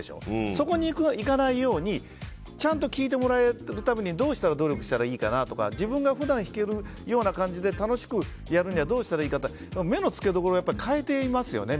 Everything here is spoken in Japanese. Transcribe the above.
そこに目が行かないようにちゃんと聞いてもらうためにどうしたら努力したらいいかなとか自分が普段いけるような感じで楽しくやるにはどうしたらいいか目のつけどころを変えてますよね